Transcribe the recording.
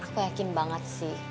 aku yakin banget sih